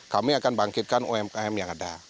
kami akan bangkitkan umkm yang ada